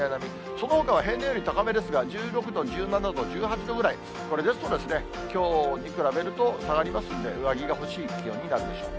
そのほかは平年より高めですが、１６度、１７度、１８度ぐらい、これですと、きょうに比べると下がりますので、上着が欲しい気温になるでしょう。